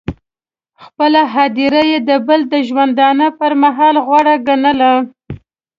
خپله هدیره یې د بل د ژوندانه پر محله غوره ګڼله.